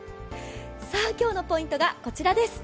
今日のポイントがこちらです。